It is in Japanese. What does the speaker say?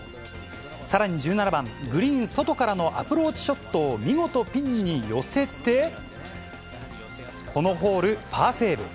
さらに１７番、グリーン外からのアプローチショットを見事ピンに寄せて、このホール、パーセーブ。